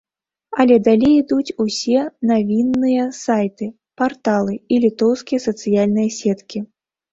Але далей ідуць усе навінныя сайты, парталы і літоўскія сацыяльныя сеткі.